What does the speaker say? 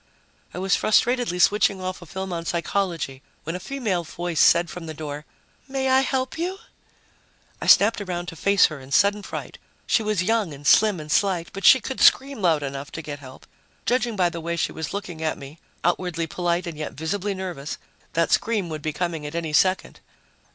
I was frustratedly switching off a film on psychology when a female voice said from the door, "May I help you?" I snapped around to face her in sudden fright. She was young and slim and slight, but she could scream loud enough to get help. Judging by the way she was looking at me, outwardly polite and yet visibly nervous, that scream would be coming at any second.